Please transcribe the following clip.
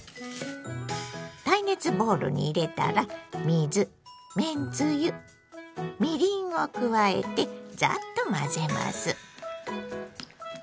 耐熱ボウルに入れたら水めんつゆみりんを加えてザッと混ぜます。